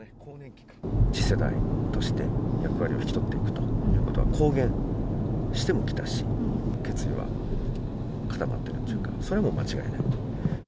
次世代として、役割を引き取っていくということは公言をしてもきたし、決意は固まっているというか、それはもう間違いない。